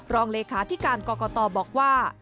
รองเลขาธิการกรกตบอกว่า